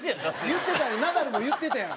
言ってたやんナダルも言ってたやん。